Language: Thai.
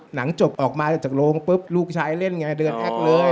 หลังจบออกมาจากโรงปุ๊บลูกชายเล่นไงเดือนแอคเลย